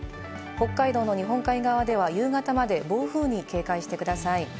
北海道の日本海側では夕方まで暴風に警戒してください。